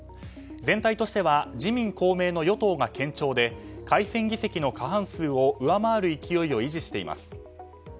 全体としては自民・公明の与党が堅調で、改選議席の過半数を上回る勢いを維持しています。